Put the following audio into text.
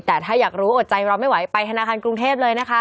แต่ถ้าอยากรู้อดใจเราไม่ไหวไปธนาคารกรุงเทพเลยนะคะ